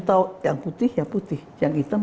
tahu yang putih ya putih yang hitam